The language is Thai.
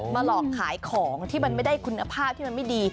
หลอกขายของที่มันไม่ได้คุณภาพที่มันไม่ดี